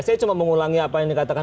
saya cuma mengulangi apa yang dikatakan